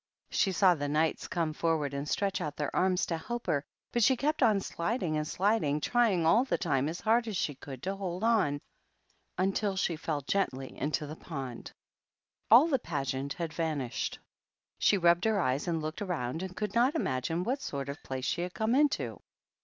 She saw the Knights come forward and stretch out their arms to help her, but she kept on sliding and sliding, trying all the time as hard as she could to hold on, until she fell gently into the pond. All the Pageant had vanished. She rubbed her eyes and looked around, and could not imagine what sort of place she had come into.